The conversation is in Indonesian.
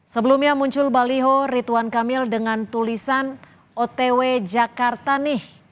sebelumnya muncul baliho rituan kamil dengan tulisan otw jakarta nih